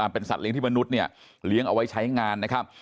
เป็นสัตว์เลี้ยที่มนุษย์เนี่ยเลี้ยงเอาไว้ใช้งานนะครับ